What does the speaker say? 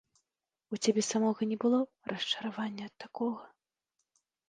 У цябе самога не было расчаравання ад такога?